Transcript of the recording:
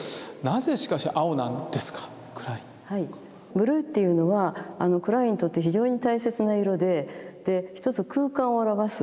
ブルーっていうのはクラインにとって非常に大切な色でで一つ空間を表す。